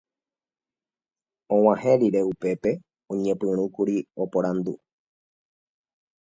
Og̃uahẽ rire upépe oñepyrũkuri oporandu